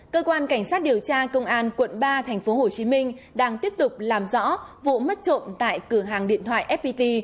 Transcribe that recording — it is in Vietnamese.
cơ quan cảnh sát điều tra công an quận ba tp hcm đang tiếp tục làm rõ vụ mất trộm tại cửa hàng điện thoại fpt